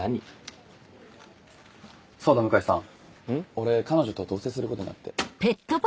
俺彼女と同棲することになって。